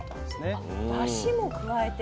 あっだしも加えて。